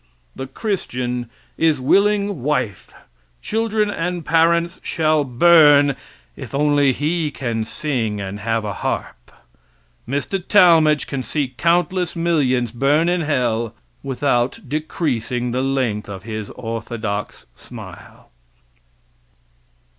The Christian is willing wife, children and parents shall burn if only he can sing and have a harp. Mr. Talmage can see countless millions burn in hell without decreasing the length of his orthodox smile.